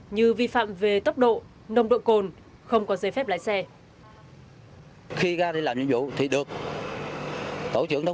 như vi phạm về tốc độ nồng độ cồn